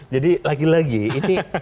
jadi lagi lagi ini